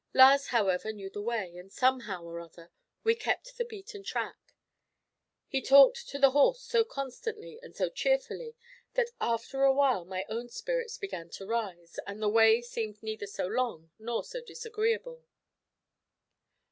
Lars, however, knew the way, and somehow or other we kept the beaten track. He talked to the horse so constantly and so cheerfully, that after a while my own spirits began to rise, and the way seemed neither so long nor so disagreeable.